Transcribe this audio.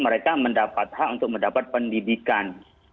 mereka mendapat hak untuk mendapat pendidikan